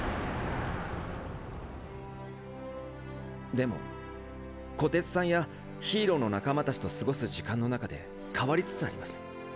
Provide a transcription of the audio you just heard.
でも虎徹さんやヒーローの仲間たちと過ごす時間の中で変わりつつあります。